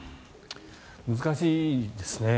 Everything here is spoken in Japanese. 難しいですね。